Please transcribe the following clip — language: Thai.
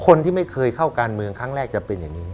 คนที่ไม่เคยเข้าการเมืองครั้งแรกจะเป็นอย่างนี้